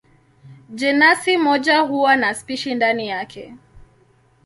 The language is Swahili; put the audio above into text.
Jenasi moja huwa na spishi ndani yake.